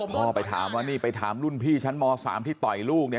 ก็ไปถามว่านี่ไปถามรุ่นพี่ชั้นม๓ที่ต่อยลูกเนี่ย